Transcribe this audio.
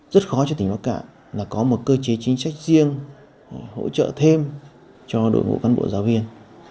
rất khó cho tỉnh bắc cạn là có một cơ chế chính sách riêng hỗ trợ thêm cho đội ngũ văn bộ giáo viên